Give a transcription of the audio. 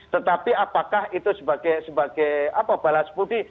tetapi apakah itu sebagai balas putih